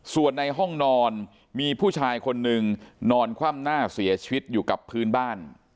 ส่วนในห้องนอนมีผู้ชายคนนึงนอนคว่ำหน้าเสียชีวิตอยู่กับพื้นบ้าน